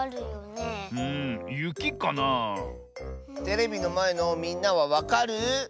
テレビのまえのみんなはわかる？